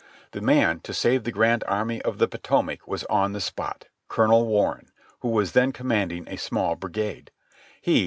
The man to save the Grand Army of the Potomac was on the spot, Colonel Warren, who was then commanding a small brigade. He.